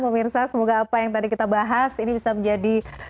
pemirsa semoga apa yang tadi kita bahas ini bisa menjadi